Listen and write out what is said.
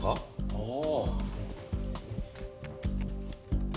ああ。